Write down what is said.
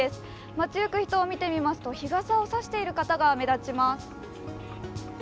街行く人を見てみますと、日傘を差している方が目立ちます。